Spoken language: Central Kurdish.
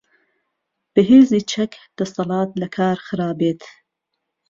بەهێزی چەك دەسەلات لەکار خرابێت.